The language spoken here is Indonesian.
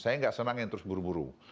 saya tidak senang yang terus buru buru